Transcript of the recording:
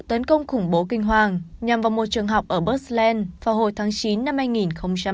những vụ tấn công khủng bố kinh hoàng nhằm vào một trường học ở berlin vào hồi tháng chín năm hai nghìn bốn